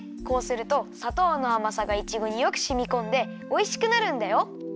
こうするとさとうのあまさがいちごによくしみこんでおいしくなるんだよ。